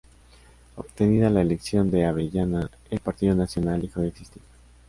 Obtenida la elección de Avellaneda el Partido Nacional dejó de existir.